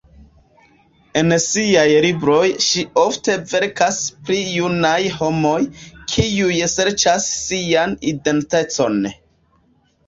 En siaj libroj ŝi ofte verkas pri junaj homoj, kiuj serĉas sian identecon.